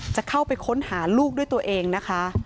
จะเข้าไปค้นหาลูกด้วยตัวเองนะคะ